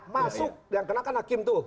masuk yang kenang kan hakim tuh